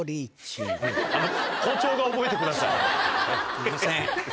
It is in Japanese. すいません。